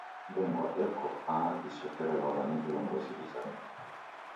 Ndengwa eko aha ishekerelwagha ni vilongozi w'izamie.